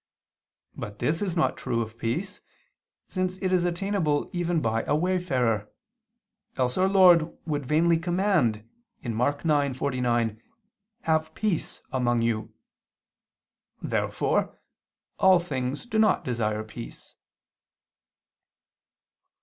But this is not true of peace, since it is attainable even by a wayfarer; else Our Lord would vainly command (Mk. 9:49): "Have peace among you." Therefore all things do not desire peace.